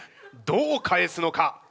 どう返すのか？